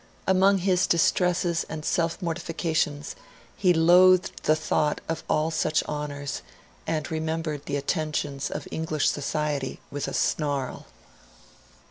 Among his distresses and self mortifications, he loathed the thought of all such honours, and remembered the attentions of English society with a snarl.